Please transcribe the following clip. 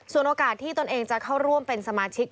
โอกาสที่ตนเองจะเข้าร่วมเป็นสมาชิก